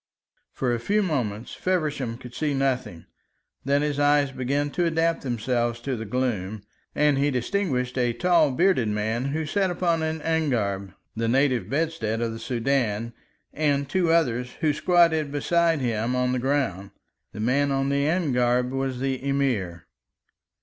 For a few moments Feversham could see nothing. Then his eyes began to adapt themselves to the gloom, and he distinguished a tall, bearded man, who sat upon an angareb, the native bedstead of the Soudan, and two others, who squatted beside him on the ground. The man on the angareb was the Emir.